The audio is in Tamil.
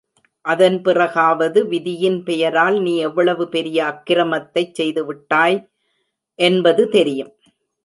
அதன் பிறகாவது விதியின் பெயரால் நீ எவ்வளவு பெரிய அக்ரமத்தைச் செய்து விட்டாய் என்பது தெரியும்.